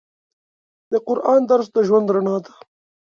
د قرآن درس د ژوند رڼا ده.